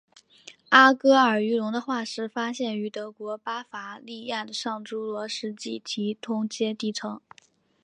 阿戈尔鱼龙的化石发现于德国巴伐利亚的上侏罗纪提通阶地层。